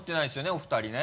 お二人ね？